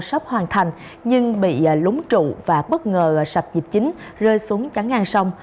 sắp hoàn thành nhưng bị lúng trụ và bất ngờ sập dịp chính rơi xuống chắn ngang sông